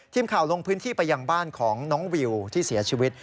ทีมข่าวลงพื้นที่ไปยังบ้านของน้องวิวที่เสียชีวิต